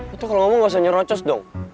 itu kalau ngomong gak usah nyerocos dong